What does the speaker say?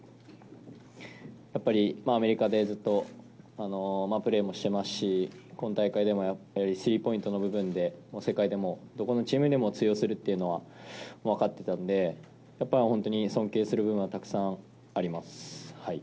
やっぱりアメリカでずっとプレーもしてますし、今大会でもやっぱり、スリーポイントの部分で、世界でも、どこのチームでも通用するっていうのは分かってたんで、やっぱり本当に尊敬する部分はたくさんあります。